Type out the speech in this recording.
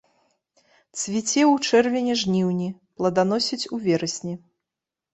Цвіце ў чэрвені-жніўні, пладаносіць у верасні.